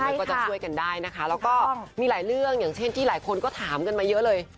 แล้วก็จะช่วยกันได้นะคะแล้วก็มีหลายเรื่องอย่างเช่นที่หลายคนก็ถามกันมาเยอะเลย